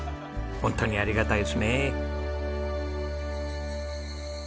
ホントにありがたいですねえ。